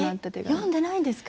読んでないんですか？